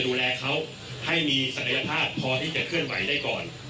ดูแลเขาให้มีศักยภาพพอที่จะเคลื่อนไหวได้ก่อน